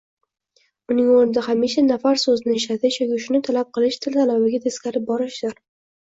Uning oʻrnida hamisha nafar soʻzini ishlatish yoki shuni talab qilish til tabiatiga teskari borishdir